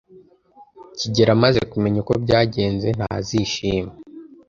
kigeli amaze kumenya uko byagenze, ntazishima.